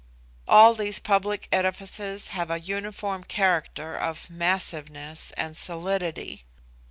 All these public edifices have a uniform character of massiveness and solidity.